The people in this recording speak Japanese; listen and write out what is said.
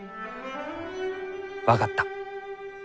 分かった。